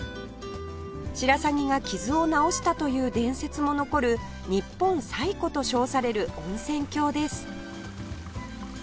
白鷺が傷を治したという伝説も残る日本最古と称される温泉郷です